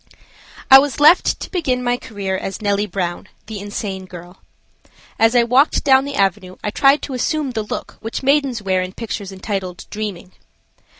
I WAS left to begin my career as Nellie Brown, the insane girl. As I walked down the avenue I tried to assume the look which maidens wear in pictures entitled "Dreaming."